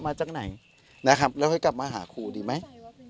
มาจากไหนนะครับแล้วค่อยกลับมาหาครูดีไหม